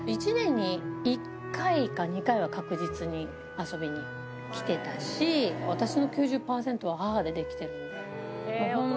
１年に１回か２回は、確実に遊びに来てたし、私の９０％は母で出来てるので。